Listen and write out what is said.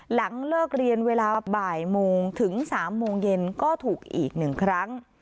หลังเลิกเรียนเวลาบ่ายโมงถึง๓โมงเย็นก็ถูกอีก๑ครั้ง